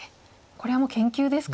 これはもう研究ですか。